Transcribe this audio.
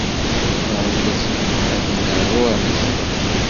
Lexbaṛ n teẓgi, a-t-an ar uɛeẓẓi.